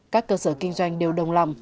các cơ sở kinh doanh đều đồng lòng